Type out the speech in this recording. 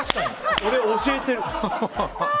俺、教えて。